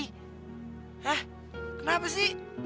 eh kenapa sih